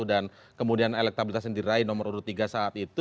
dan kemudian elektabilitas yang diraih nomor urut tiga saat itu